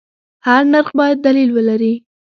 هر نرخ باید دلیل ولري.